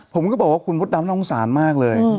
ผมก็บอกว่าคุณมดดำน่าสงสารมากเลย